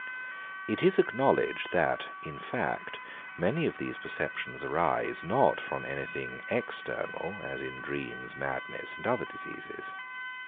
It is acknowledged, that, in fact, many of these perceptions arise not from anything external, as in dreams, madness, and other diseases.